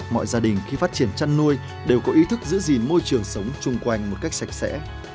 mọi gia đình khi phát triển chăn nuôi đều có ý thức giữ gìn môi trường sống chung quanh một cách sạch sẽ